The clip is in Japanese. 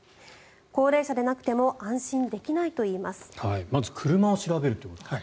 高齢者でなくても安心できないといいます。